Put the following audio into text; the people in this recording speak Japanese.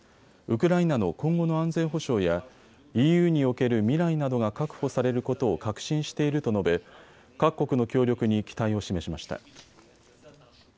ウクライナの今後の安全保障やＥＵにおける未来などが確保されることを確信していると述べ、各国の協力に期待を示しました。